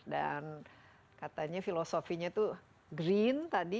dan katanya filosofinya itu green tadi